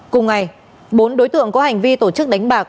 cùng ngày bốn đối tượng có hành vi tổ chức đánh bạc